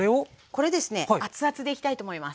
これですね熱々でいきたいと思います。